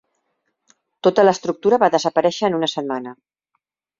Tota l'estructura va desaparèixer en una setmana.